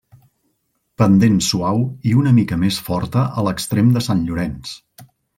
Pendent suau i una mica més forta a l'extrem de Sant Llorenç.